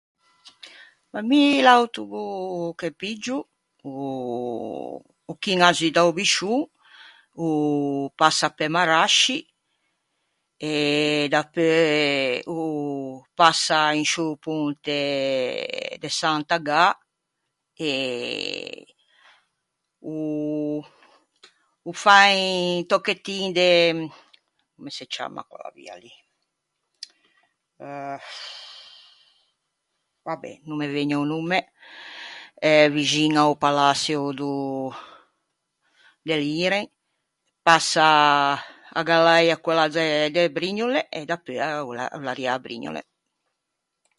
Ma mi l’autobo che piggio o o chiña zu da-o Biscion, o passa pe Marasci e dapeu o passa in sciô ponte de Sant’Agâ e o o fa un tocchettin de... comme se ciamma quella via lì... eh va be’, no me vëgne o nomme eh vixin a-o palaçio do de l’IREN, passa a gallaia quella de de Brignole, e dapeu eh o l’é o l’arriâ à Brignole.